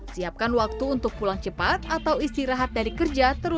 siapkan waktu untuk pulang cepat atau istirahat dari kerja